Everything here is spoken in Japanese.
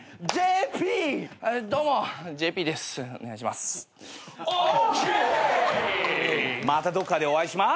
またどこかでお会いしま。